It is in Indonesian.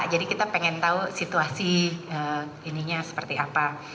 jadi kita ingin tahu situasi ininya seperti apa